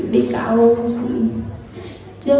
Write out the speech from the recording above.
vị cáo linh đến phố